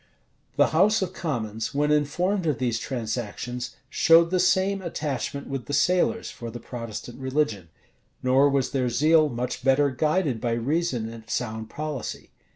The house of commons, when informed of these transactions, showed the same attachment with the sailors for the Protestant religion; nor was their zeal much better guided by reason and sound policy.